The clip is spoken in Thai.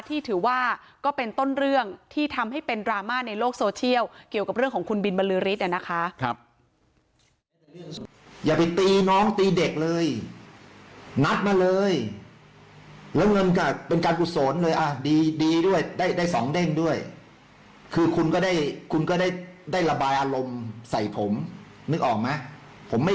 ที่ถือว่าก็เป็นต้นเรื่องที่ทำให้เป็นดราม่าในโลกโซเชียลเกี่ยวกับเรื่องของคุณบินบรรลือฤทธิ์นะคะ